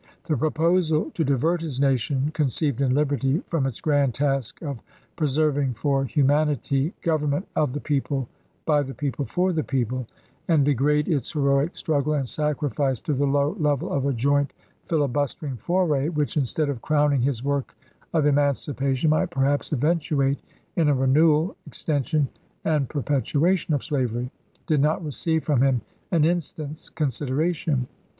The proposal to divert his nation, "con ceived in Liberty,'' from its grand task of preserv ing for humanity " government of the people, by the people, for the people," and degrade its heroic struggle and sacrifice to the low level of a joint filibustering foray, which, instead of crowning his work of emancipation, might perhaps event uate in a renewal, extension, and perpetuation of slavery, did not receive from him an instant's 1865. consideration.